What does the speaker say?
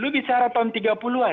di sana ada tahun tiga puluh an